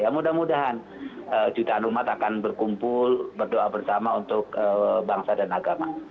mudah mudahan jutaan umat akan berkumpul berdoa bersama untuk bangsa dan agama